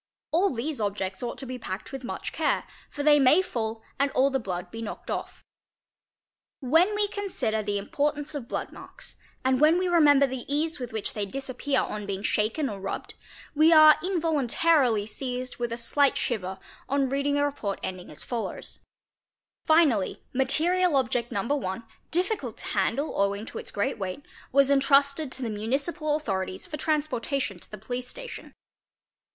all these objects ought to be packed with much care, for they may fall and all the blood be knocked off When we consider the importance of blood marks and when we remember the ease with which they disappear on being shaken or rubbed, _ we are involuntarily seized with a slight shiver on reading a report end ; Ing as follows: "Finally material object No. I, difficult to handle owing | to its great weight, was intrusted to the Municipal Authorities for trans portation to the police station."